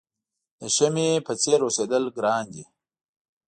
د شمعې په څېر اوسېدل ګران دي.